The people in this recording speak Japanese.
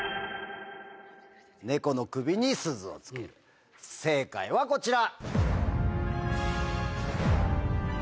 猫の首に鈴を付ける正解はこちら。